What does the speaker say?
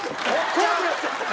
怖くなっちゃった。